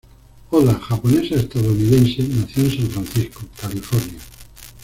Oda, japonesa estadounidense, nació en San Francisco, California.